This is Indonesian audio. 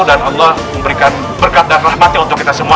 dan allah memberikan berkat dan rahmatnya untuk kita semua